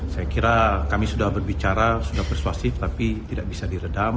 saya kira kami sudah berbicara sudah persuasif tapi tidak bisa diredam